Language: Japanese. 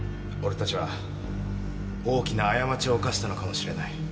俺たちは大きな過ちを犯したのかもしれない。